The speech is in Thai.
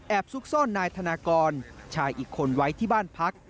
ซุกซ่อนนายธนากรชายอีกคนไว้ที่บ้านพัก